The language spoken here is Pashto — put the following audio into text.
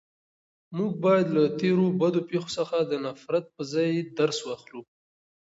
موږ باید له تېرو بدو پېښو څخه د نفرت په ځای درس واخلو.